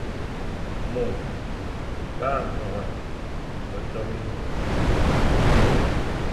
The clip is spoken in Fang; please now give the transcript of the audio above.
Môr ba mreghe be to miñko,